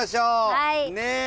はい！ね。